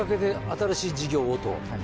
新しい事業をと。